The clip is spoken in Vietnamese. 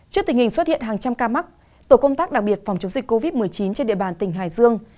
trước tình hình xuất hiện hàng trăm ca mắc tổ công tác đặc biệt phòng chống dịch covid một mươi chín trên địa bàn tỉnh hải dương